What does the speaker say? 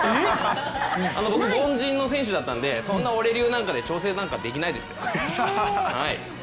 僕、凡人の選手だったんでオレ流なんかで調整できないですよ。